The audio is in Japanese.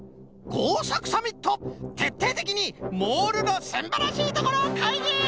こうさくサミットてっていてきにモールのすんばらしいところかいぎ！